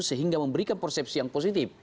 sehingga memberikan persepsi yang positif